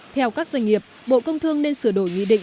theo các doanh nghiệp bộ công thương nên sửa đổi nghị định